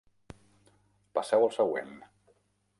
Passeu al següent.